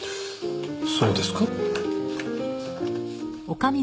そうですか？